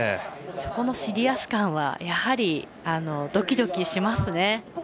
そこのシリアス感はやはり、ドキドキしますね。